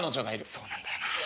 そうなんだよなあ。